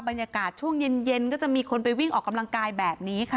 บรรยากาศช่วงเย็นก็จะมีคนไปวิ่งออกกำลังกายแบบนี้ค่ะ